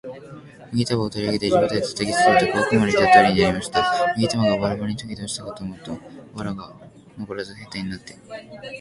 麦束を取り上げて地べたへ叩きつけると、小悪魔の言った通りやりました。麦束がバラバラに解けて落ちたかと思うと、藁がのこらず兵隊になって、